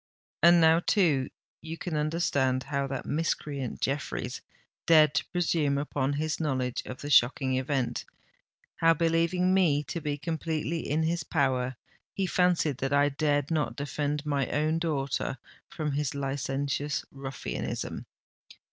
And now, too, you can understand how that miscreant Jeffreys dared to presume upon his knowledge of the shocking event—how, believing me to be completely in his power, he fancied that I dared not defend my own daughter from his licentious ruffianism.